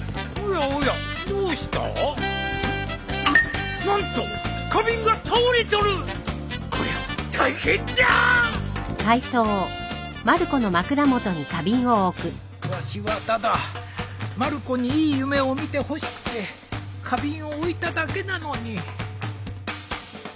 わしはただまる子にいい夢を見てほしくて花瓶を置いただけなのに